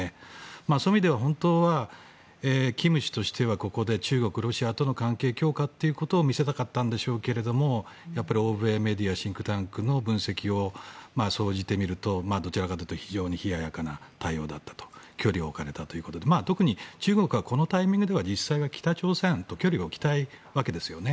そういう意味では本当は金氏としてはここで中国、ロシアとの関係強化というところを見せたかったんでしょうけれどもやっぱり欧米メディアシンクタンクの分析を総じて見るとどちらかというと非常に冷ややかな対応だったと距離を置かれたということで特に中国はこのタイミングでは北朝鮮と距離を置きたいわけですね。